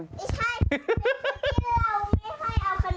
เป็นชุดที่ไม่ให้เราเข้าโรงเรียน